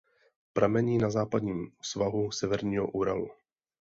Pramení na západním svahu Severního Uralu.